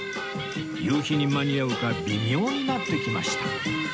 夕日に間に合うか微妙になってきました